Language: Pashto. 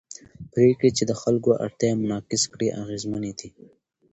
پرېکړې چې د خلکو اړتیاوې منعکس کړي اغېزمنې دي